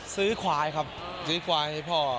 ซื้อควายครับซื้อควายให้พ่อ